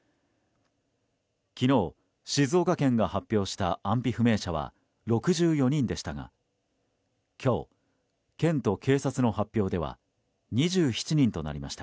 昨日、静岡県が発表した安否不明者は６４人でしたが今日、県と警察の発表では２７人となりました。